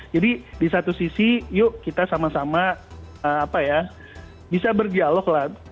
jadi di satu sisi yuk kita sama sama bisa berdialog lah